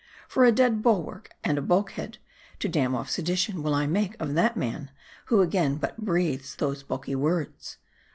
For a dead bulwark and a bulkhead, to dam off sedition, will I make of that man, who again but breathes those bulky words.